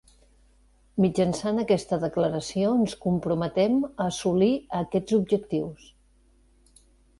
Mitjançant aquesta declaració ens comprometem a assolir aquests objectius